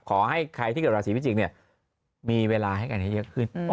ขอให้ใครที่เกิดราศีพิจิกมีเวลาให้กันเยอะขึ้น